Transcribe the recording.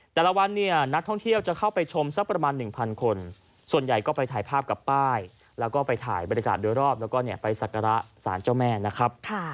แต่ละวันเนี่ยนักท่องเที่ยวจะเข้าไปชมสักประมาณ๑๐๐คนส่วนใหญ่ก็ไปถ่ายภาพกับป้ายแล้วก็ไปถ่ายบรรยากาศโดยรอบแล้วก็ไปสักการะสารเจ้าแม่นะครับ